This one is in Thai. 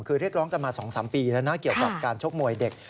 เรียกร้องกันมา๒๓ปีเกี่ยวกับการชกมวยเด็ก